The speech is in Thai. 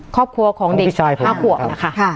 ครอบครัวของเด็ก๕ขวบนะคะ